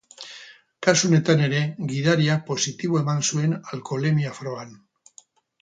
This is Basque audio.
Kasu honetan ere, gidariak positiboa eman zuen alkoholemia frogan.